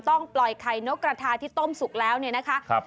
ต้องปล่อยไข่นกกระทาที่ต้มสุกแล้วเนี่ยนะคะ